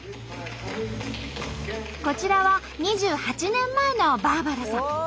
こちらは２８年前のバーバラさん。